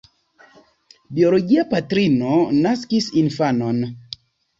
Biologia patrino naskis infanon.